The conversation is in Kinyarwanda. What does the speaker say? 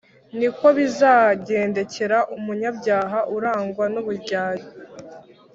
ni ko bizagendekera umunyabyaha urangwa n’uburyarya